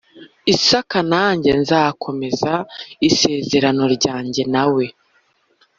Isaka Nanjye nzakomeza isezerano ryanjye na we